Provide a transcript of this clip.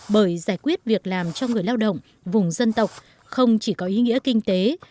bởi giải quyết việc làm cho người lao động vùng dân tộc không chỉ có ý nghĩa kinh tế